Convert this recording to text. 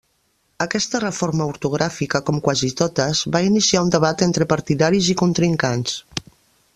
Aquesta reforma ortogràfica, com quasi totes, va iniciar un debat entre partidaris i contrincants.